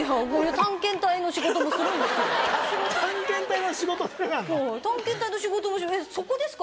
探検隊の仕事もえっそこですか？